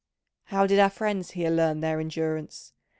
How did our friends here learn their endurance?